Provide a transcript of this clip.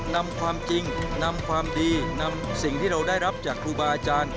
นำความจริงนำความดีนำสิ่งที่เราได้รับจากครูบาอาจารย์